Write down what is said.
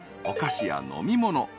お菓子や飲み物］